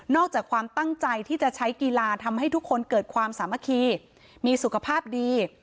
อกจากความตั้งใจที่จะใช้กีฬาทำให้ทุกคนเกิดความสามัคคีมีสุขภาพดี